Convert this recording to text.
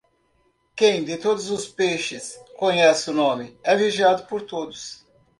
Quem de todos os peixes conhece o nome, é vigiado por todos.